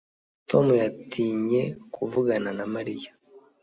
Tom yatinye kuvugana na Mariya